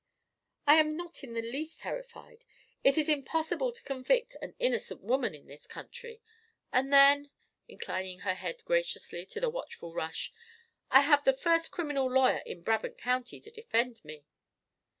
"I am not in the least terrified. It is impossible to convict an innocent woman in this country; and then" inclining her head graciously to the watchful Rush, "I have the first criminal lawyer in Brabant County to defend me.